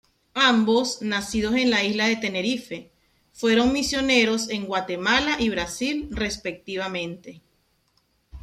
Ambos, nacidos en la isla de Tenerife, fueron misioneros en Guatemala y Brasil respectivamente.